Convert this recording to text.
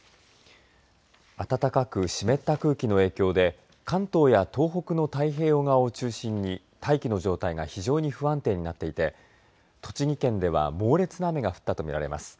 暖かく湿った空気の影響で関東や東北の太平洋側を中心に大気の状態が非常に不安定になっていて栃木県では猛烈な雨が降ったと見られます。